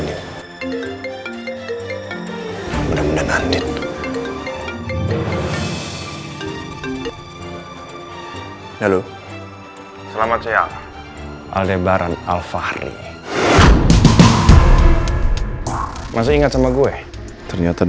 lian diagon ini udah makin famous kamu kalo kamu hampir habis